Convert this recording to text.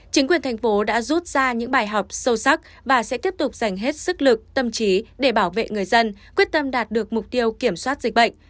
chính quyền thành phố đã rút ra những bài học sâu sắc và sẽ tiếp tục dành hết sức lực tâm trí để bảo vệ người dân quyết tâm đạt được mục tiêu kiểm soát dịch bệnh